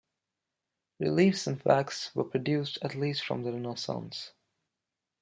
Reliefs in wax were produced at least from the Renaissance.